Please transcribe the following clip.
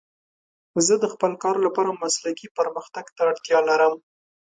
زه د خپل کار لپاره مسلکي پرمختګ ته اړتیا لرم.